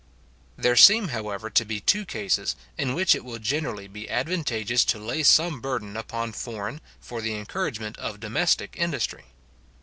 There seem, however, to be two cases, in which it will generally be advantageous to lay some burden upon foreign, for the encouragement of domestic industry.